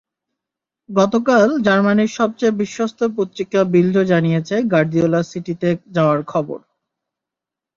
গতকাল জার্মানির সবচেয়ে বিশ্বস্ত পত্রিকা বিল্ডও জানিয়েছে গার্দিওলার সিটিতে যাওয়ার খবর।